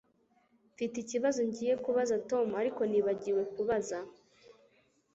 Mfite ikibazo ngiye kubaza Tom ariko nibagiwe kubaza